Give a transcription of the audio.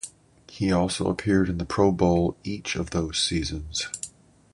He also appeared in the Pro Bowl each of those seasons.